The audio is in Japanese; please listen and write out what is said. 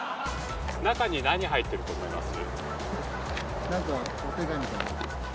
中に何入ってると思います？